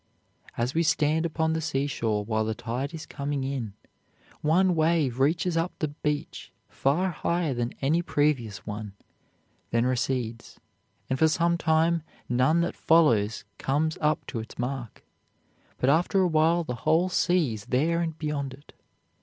As we stand upon the seashore while the tide is coming in, one wave reaches up the beach far higher than any previous one, then recedes, and for some time none that follows comes up to its mark, but after a while the whole sea is there and beyond it.